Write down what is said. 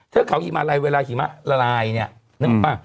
เทือกเขาฮิมาลัยเวลาหิมะละลายเนี่ยนึกออกป่ะ